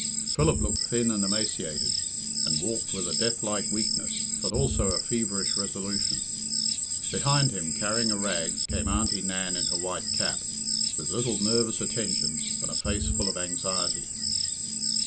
Philip looked thin and emaciated, and walked with a death like weakness, but also a feverish resolution. Behind him, carrying a rag, came Aunty Nan in her white cap, with little nervous attentions, and a face full of anxiety.